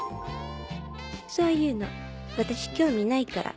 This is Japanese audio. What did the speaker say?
「そゆの私興味ないから」。